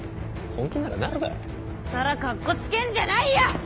今更カッコつけんじゃないよ！